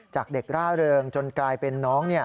จากเด็กร่าเริงจนกลายเป็นน้อง